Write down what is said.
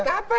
oh buat apa